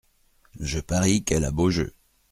Je parie qu’elle a beau jeu.